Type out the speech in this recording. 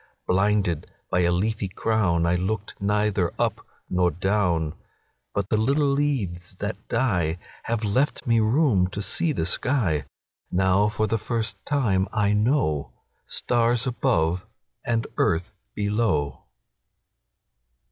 Blinded by a leafy crownI looked neither up nor down—But the little leaves that dieHave left me room to see the sky; Now for the first time I knowStars above and earth below.